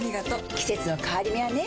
季節の変わり目はねうん。